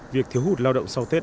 việc thiếu hụt lao động sau tết